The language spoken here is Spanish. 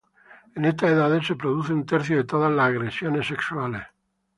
En estas edades se produce un tercio de todas las agresiones sexuales.